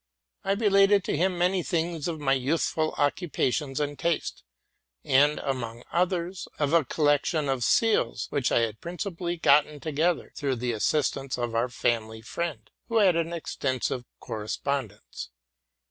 I related to him many things of my youthful occupations and taste, and among others, of a collec tion of seals, which I had principally gotten together through the assistance of our family friend, who had an extensive cor respondence.